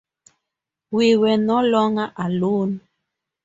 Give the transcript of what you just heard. We were no longer alone.